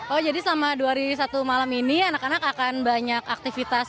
oh jadi selama dua hari satu malam ini anak anak akan banyak aktivitas